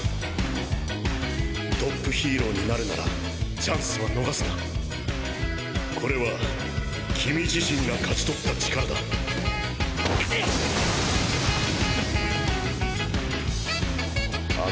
トップヒーローになるならチャンスは逃すこれは君自身が勝ち取った力だうっ。